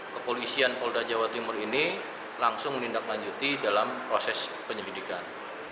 kepolisian polda jawa timur ini langsung menindaklanjuti dalam proses penyelidikan